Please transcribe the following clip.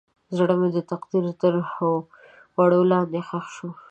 زړه مې د تقدیر تر دوړو لاندې ښخ شو.